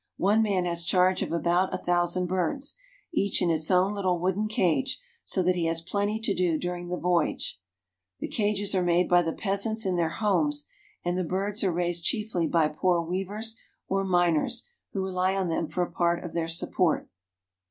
One man has charge of about a thousand birds, each in its own little wooden cage, so that he has plenty to do during the voyage. The cages are made by the peasants in their homes ; and the birds are raised chiefly by poor weavers or miners, who rely on them for a part of their support.